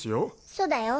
そうだよ